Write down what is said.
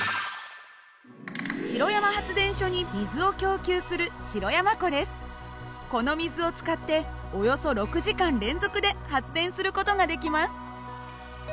城山発電所に水を供給するこの水を使っておよそ６時間連続で発電する事ができます。